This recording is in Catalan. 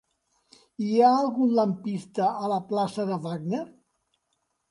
Hi ha algun lampista a la plaça de Wagner?